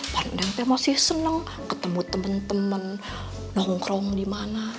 pernah nengpem masih seneng ketemu temen temen nongkrong di mana